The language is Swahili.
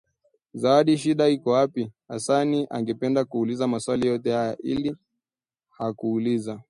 ya Zawadi shida iko wapi? Hassan angependa kuuliza maswali yote haya ila hakuuliza